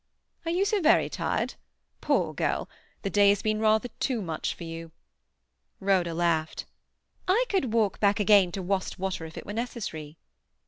"Are you so very tired? Poor girl! The day has been rather too much for you." Rhoda laughed. "I could walk back again to Wastwater if it were necessary."